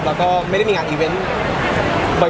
แล้วก็ไม่ได้มีงานอีเวนต์